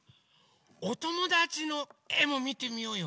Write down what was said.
おともだちのえもみてみようよ。